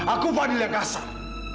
aku fadil yang kasar